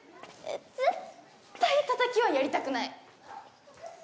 絶対叩きはやりたくない。